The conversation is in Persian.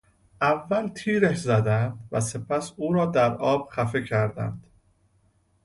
اول تیرش زدند و سپس او را در آب خفه کردند.